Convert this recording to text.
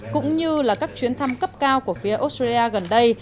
cũng như là các chuyến thăm cấp cao của phía australia gần đây